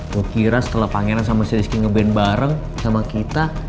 aku kira setelah pangeran sama si rizky nge ban bareng sama kita